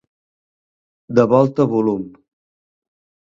De volta volum.